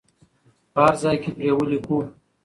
په هر ځای کې پرې ولیکو.